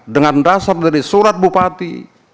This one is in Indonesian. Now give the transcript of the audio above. dengan dasar dari surat bupati